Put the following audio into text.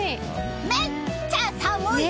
めっちゃ寒い！